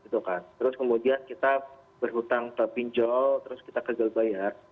terus kemudian kita berhutang ke pinjol terus kita gagal bayar